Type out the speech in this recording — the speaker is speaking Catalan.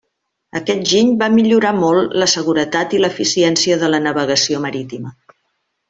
Aquest giny va millorar molt la seguretat i l'eficiència de la navegació marítima.